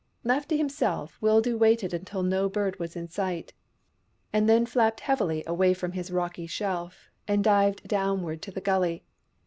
Left to himself, Wildoo waited until no bird was in sight, and then flapped heavily away from his 200 THE BURNING OF THE CROWS rocky shelf, and dived downward to the gully.